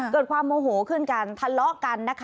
เกิดความโโหขึ้นการทะเลาะกัน